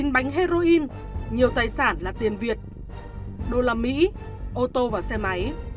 một mươi chín bánh heroin nhiều tài sản là tiền việt đô la mỹ ô tô và xe máy